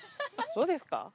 そうですか？